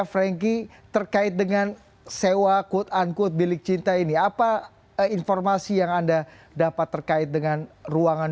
frankie terkait dengan sewa quote unquote bilik cinta ini apa informasi yang anda dapat terkait dengan ruangan